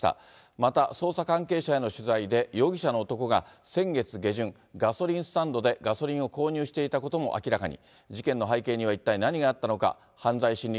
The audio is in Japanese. また捜査関係者への取材で、容疑者の男が先月下旬、ガソリンスタンドでガソリンを購入していたことも明らかに。